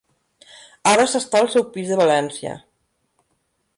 Ara s'està al seu pis de València.